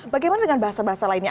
bagaimana dengan bahasa bahasa lainnya